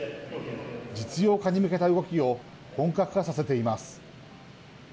実用化に向けた動きを本格化させています。